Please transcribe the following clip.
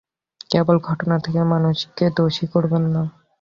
কেবল ঘটনা থেকে মানুষকে দোষী করবেন না।